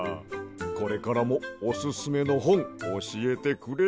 これからもオススメのほんおしえてくれや。